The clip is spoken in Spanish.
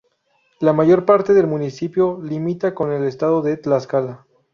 La mayor parte del municipio limita con el estado de Tlaxcala.